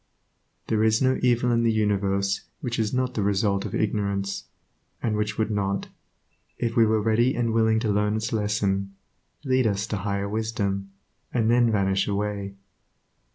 There is no evil in the universe which is not the result of ignorance, and which would not, if we were ready and willing to learn its lesson, lead us to higher wisdom, and then vanish away.